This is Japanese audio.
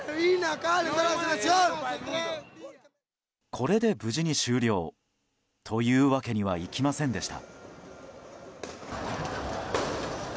これで無事に終了というわけにはいきませんでした。